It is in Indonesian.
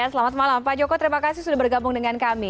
selamat malam pak joko terima kasih sudah bergabung dengan kami